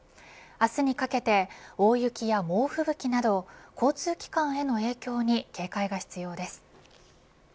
明日にかけて大雪や猛吹雪など交通機関への影響に警戒が必要です。